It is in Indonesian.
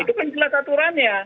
itu kan jelas aturannya